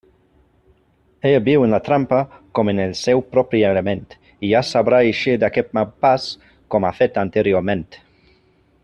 Ella viu en la trampa com en el seu propi element, i ja sabrà eixir d'aquest mal pas com ha fet anteriorment.